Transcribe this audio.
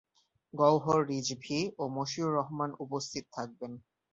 গওহর রিজভী ও মসিউর রহমান উপস্থিত থাকবেন।